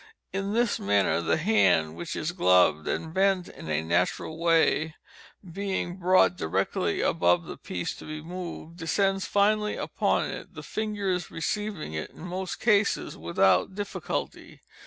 In this manner, the hand (which is gloved and bent in a natural way,) being brought directly above the piece to be moved, descends finally upon it, the fingers receiving it, in most cases, without difficulty.